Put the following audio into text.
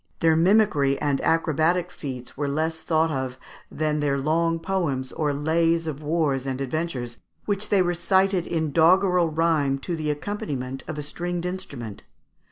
Their mimicry and acrobatic feats were less thought of than their long poems or lays of wars and adventures, which they recited in doggerel rhyme to the accompaniment of a stringed instrument.